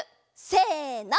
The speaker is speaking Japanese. せの。